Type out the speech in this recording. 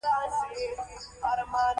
خوړل د سبزیو فایده څرګندوي